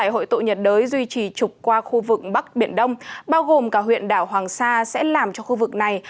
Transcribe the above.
hội tụ nhiệt đới duy trì trục qua khu vực bắc biển đông bao gồm cả huyện đảo hoàng sa sẽ làm cho khu vực này